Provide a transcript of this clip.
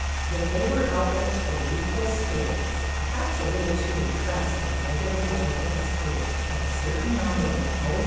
Yet they were outlets for youthful spirits, — perhaps a little too re pressed in the regular life of the school, — and a certain number were always e.